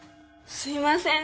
すいません